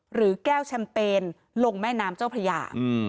หรือแก้วแชมเปญลงแม่น้ำเจ้าพระยา